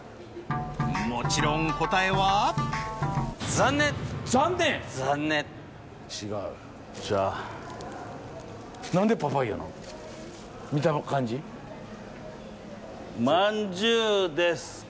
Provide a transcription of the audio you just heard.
もちろん答えはまんじゅうですか？